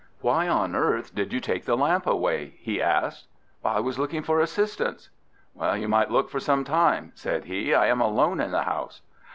"Why on earth did you take the lamp away?" he asked. "I was looking for assistance." "You might look for some time," said he. "I am alone in the house."